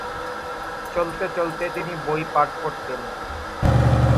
চলতে চলতে তিনি বই পাঠ করতেন।